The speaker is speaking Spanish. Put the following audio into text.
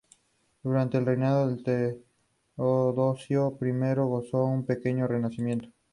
Esta modalidad sigue practicándose con asiduidad en España.